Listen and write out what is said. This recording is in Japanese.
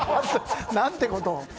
何てことを。